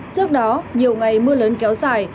trước đó nhiều ngày mưa lớn kéo xài